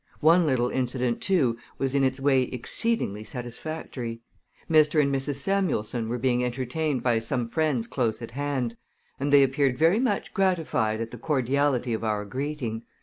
One little incident, too, was in its way exceedingly satisfactory. Mr. and Mrs. Samuelson were being entertained by some friends close at hand, and they appeared very much gratified at the cordiality of our greeting.